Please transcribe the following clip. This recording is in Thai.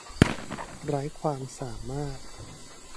ไร้ความสามารถ